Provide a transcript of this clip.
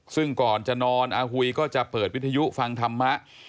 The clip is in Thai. ซึ่งก่อนจะนอนอาหุยก็จะเปิดวิทยุฟังธรรมะ